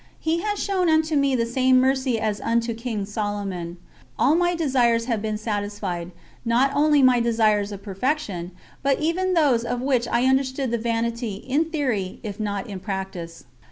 He has shown unto me the same mercy as unto King Solomon. All my desires have been satisfied; not only my desires of perfection, but even those of which I understood the vanity, in theory, if not in practice.